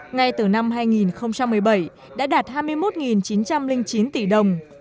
ngay từ năm hai nghìn một mươi bảy đã đạt hai mươi một chín trăm linh chín tỷ đồng